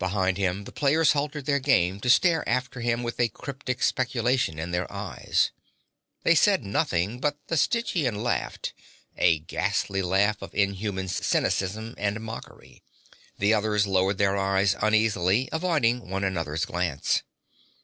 Behind him the players halted their game to stare after him with a cryptic speculation in their eyes. They said nothing, but the Stygian laughed, a ghastly laugh of inhuman cynicism and mockery. The others lowered their eyes uneasily, avoiding one another's glance.